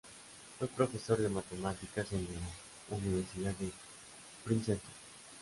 Fue profesor de matemáticas en la Universidad de Princeton.